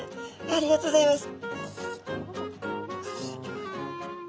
ありがとうございます。